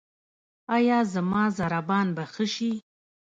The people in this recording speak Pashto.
ایا زما ضربان به ښه شي؟